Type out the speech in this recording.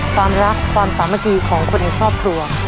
ความรักความสามัคคีของคนในครอบครัว